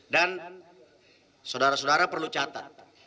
dan saudara saudara perlu catat